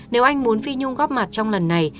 nếu anh muốn phi nhung góp mặt trong lần này